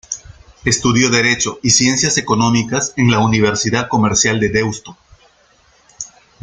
Estudió Derecho y Ciencias Económicas en la Universidad Comercial de Deusto.